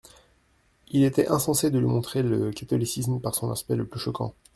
Il était insensé de lui montrer le catholicisme par son aspect le plus choquant.